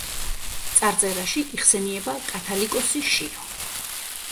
წარწერაში იხსენიება კათალიკოსი შიო.